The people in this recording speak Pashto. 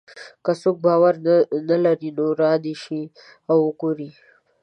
که څوک باور نه لري نو را دې شي او وګوري.